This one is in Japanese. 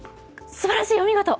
すばらしい、お見事！